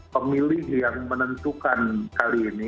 pemilih yang menentukan kali ini